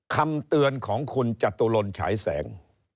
คำเตือนของคุณจตุรนฉายแสง